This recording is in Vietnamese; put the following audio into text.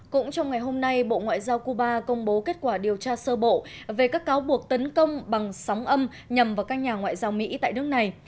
cũng trong ngày hôm nay bộ ngoại giao cuba công bố kết quả điều tra sơ bộ về các cáo buộc tấn công bằng sóng âm nhằm vào các nhà ngoại giao mỹ tại nước này